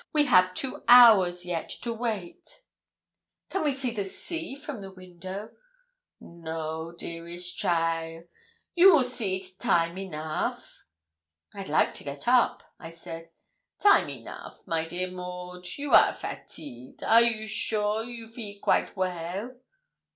We have two hours yet to wait.' 'Can we see the sea from the window?' 'No, dearest cheaile; you will see't time enough.' 'I'd like to get up,' I said. 'Time enough, my dear Maud; you are fatigued; are you sure you feel quite well?'